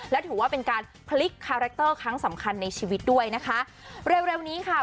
และถือว่าเป็นการพลิกคาแรคเตอร์ครั้งสำคัญในชีวิตด้วยนะคะเร็วเร็วนี้ค่ะ